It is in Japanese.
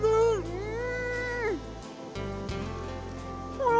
うん！